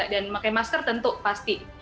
dan pakai masker tentu pasti